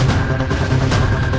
kepalaku sakit sekali